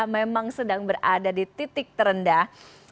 memang sedang berada di titik terendah